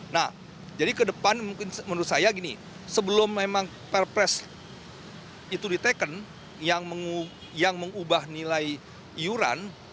nah jadi ke depan mungkin menurut saya gini sebelum memang perpres itu diteken yang mengubah nilai iuran